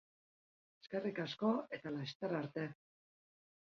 Eskerrik asko eta laster arte!